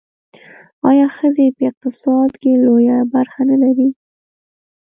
آیا ښځې په اقتصاد کې لویه برخه نلري؟